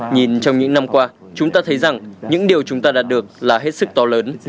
nhìn trong những năm qua chúng ta thấy rằng những điều chúng ta đạt được là hết sức to lớn